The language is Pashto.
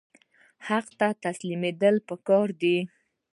حق ته تسلیمیدل پکار دي